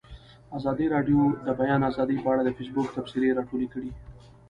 ازادي راډیو د د بیان آزادي په اړه د فیسبوک تبصرې راټولې کړي.